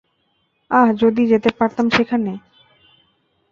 আহ, যদি যেতে পারতাম সেখানে!